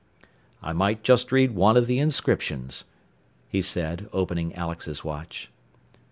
"I might just read one of the inscriptions," he said, opening Alex's watch.